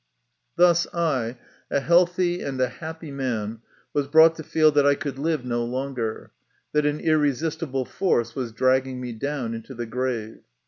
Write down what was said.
Thus I, a healthy and a happy man, was brought to feel that I could live no longer, that an irresistible force was dragging me down into the grave.